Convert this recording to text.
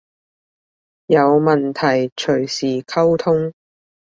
有問題隨時溝通